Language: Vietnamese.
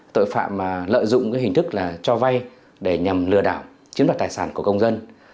tội phạm mà lợi dụng cái hình thức là cho vay để nhằm lừa đảo chiếm đoạt tài sản của công dân